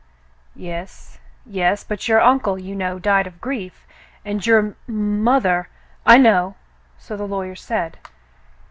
"Yes, yes. But your uncle, you know, died of grief, and your m — mother —" "I know — so the lawyer said.